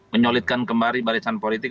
menyulitkan kembali barisan politik